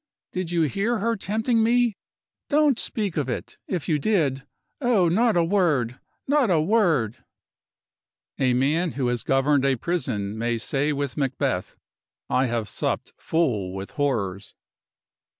_ Did you hear her tempting me? Don't speak of it, if you did. Oh, not a word! not a word!" A man who has governed a prison may say with Macbeth, "I have supped full with horrors."